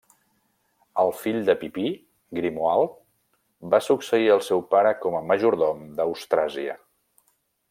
El fill de Pipí, Grimoald, va succeir el seu pare com a majordom d'Austràsia.